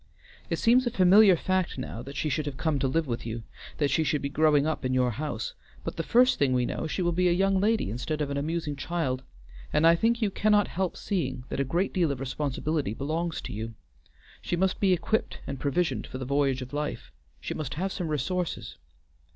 It seems a familiar fact now that she should have come to live with you, that she should be growing up in your house; but the first thing we know she will be a young lady instead of an amusing child, and I think that you cannot help seeing that a great deal of responsibility belongs to you. She must be equipped and provisioned for the voyage of life; she must have some resources."